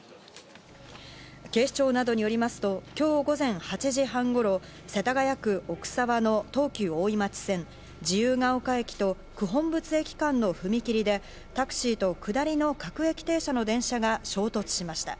警視庁などによりますと、今日午前８時半頃、世田谷区奥沢の東急大井町線、自由が丘駅と九品仏駅間の踏み切りでタクシーと下りの各駅停車の電車が衝突しました。